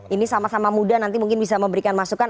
ini sama sama muda nanti mungkin bisa memberikan masukan